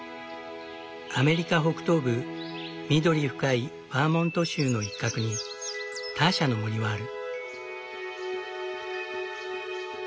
アメリカ北東部緑深いバーモント州の一角にターシャの森はある。